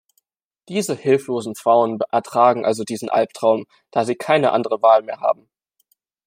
Diese hilflosen Frauen ertragen also diesen Albtraum, da sie keine andere Wahl mehr haben.